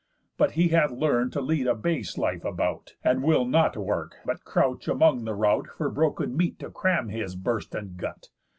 But he hath learn'd to lead base life about, And will not work, but crouch among the rout For broken meat to cram his bursten gut.